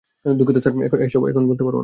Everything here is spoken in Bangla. দুঃখিত স্যার, এসব বলতে পারব না।